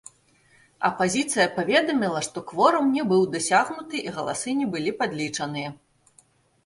Апазіцыя паведаміла, што кворум не быў дасягнуты і галасы не былі падлічаныя.